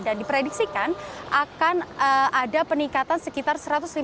dan diprediksikan akan ada peningkatan sekitar satu ratus lima puluh